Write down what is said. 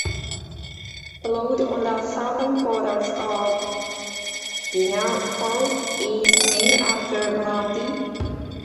A road on the southern quarters of Dinajpur is named after Marandi.